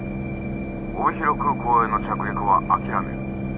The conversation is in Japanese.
帯広空港への着陸は諦める。